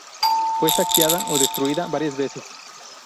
Fue saqueada o destruida varias veces.